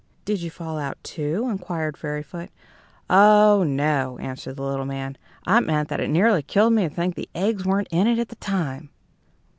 "Did you fall out, too?" inquired Fairyfoot. "Oh, no," answered the little man. "I meant that it nearly killed me to think the eggs weren't in it at the time."